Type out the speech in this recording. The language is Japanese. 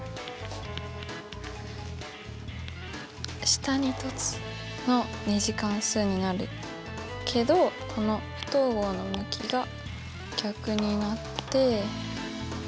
下に凸の２次関数になるけどこの不等号の向きが逆になって。